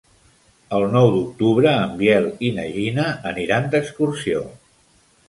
El nou d'octubre en Biel i na Gina aniran d'excursió.